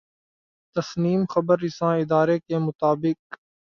تسنیم خبررساں ادارے کے مطابق